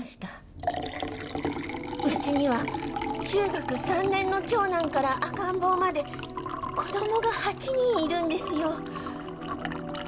うちには中学３年の長男から赤ん坊まで子どもが８人いるんですよ。